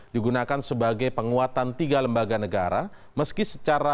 digunakan sebagai penguatan tiga lembaga